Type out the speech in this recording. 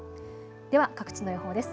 では各地の予報です。